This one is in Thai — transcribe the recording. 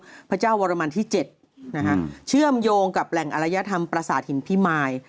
พระเจ้าวรมันที่๗เชื่อมโยงกับแหล่งอรยธรรมประสาทหินพิมาย